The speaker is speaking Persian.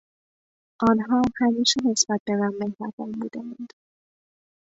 آنها همیشه نسبت به من مهربان بودهاند.